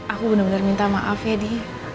aku bener bener minta maaf ya di